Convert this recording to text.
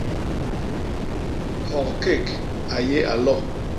Hogkék, a yéé a lo.